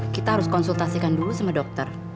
kita harus konsultasikan dulu sama dokter